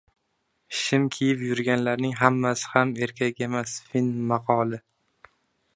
Shim kiyib yurganlarning hammasi ham erkak emas. Fin maqoli